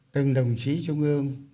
từng đồng chí trung ương